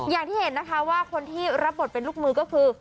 อย่างที่เห็นนะคะว่าคนที่รับบทเป็นลูกมือก็คือ